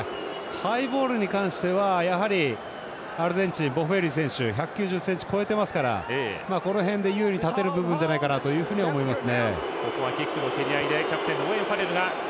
ハイボールに関してはやはり、アルゼンチンボッフェーリ選手１９０ｃｍ超えてますからこの辺で優位に立てる部分じゃないかなと思います。